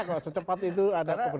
kalau secepat itu ada